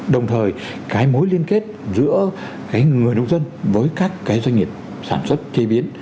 đồng thời cái mối liên kết giữa người nông dân với các cái doanh nghiệp sản xuất chế biến